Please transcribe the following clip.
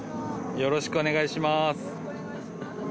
よろしくお願いします。